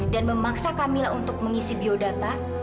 dan memaksa camilla untuk mengisi biodata